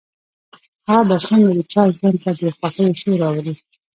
هغه به څنګه د چا ژوند ته د خوښيو شور راوړي.